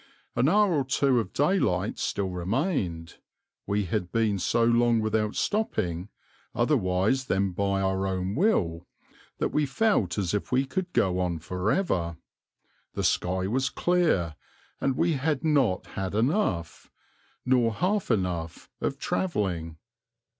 An hour or two of daylight still remained; we had been so long without stopping, otherwise than by our own will, that we felt as if we could go on for ever; the sky was clear, and we had not had enough, nor half enough, of travelling.